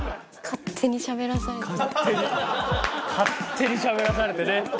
勝手にしゃべらされてね。